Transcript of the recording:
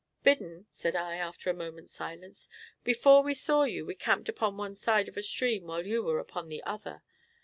"Biddon," said I, after a moment's silence, "before we saw you we camped upon one side of a stream while you were upon the other.